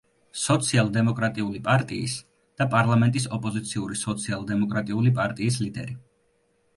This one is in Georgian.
სოციალ-დემოკრატიული პარტიის და პარლამენტის ოპოზიციური სოციალ-დემოკრატიული პარტიის ლიდერი.